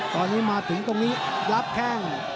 ตอนนี้มาถึงตรงนี้รับแข้ง